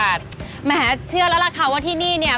อันนี้เท่าไหร่ค่ะ๑๔๐บาทแม้เชื่อแล้วล่ะค่ะว่าที่นี่เนี่ย